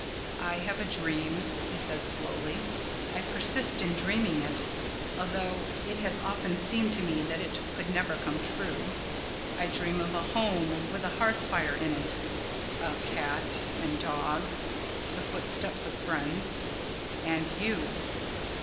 "I have a dream," he said slowly. "I persist in dreaming it, although it has often seemed to me that it could never come true. I dream of a home with a hearth fire in it, a cat and dog, the footsteps of friends—and _you!